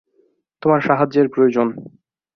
তোমার সাহায্যের প্রয়োজন।